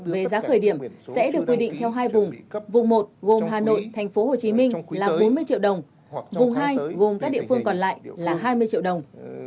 về giá khởi điểm sẽ được quy định theo hai vùng vùng một gồm hà nội tp hcm là bốn mươi triệu đồng vùng hai gồm các địa phương còn lại là hai mươi triệu đồng